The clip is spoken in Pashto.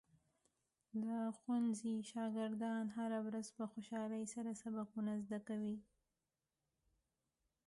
د ښوونځي شاګردان هره ورځ په خوشحالۍ سره سبقونه زده کوي.